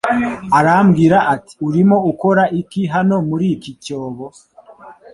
arambwira ati Urimo ukora iki hano muri iki cyobo